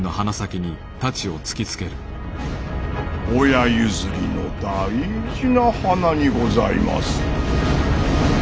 親譲りの大事な鼻にございます。